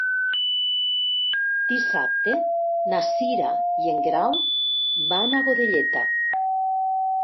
Dissabte na Cira i en Grau van a Godelleta.